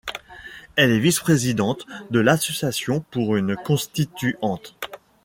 Elle est vice-présidente de l'association pour une constituante.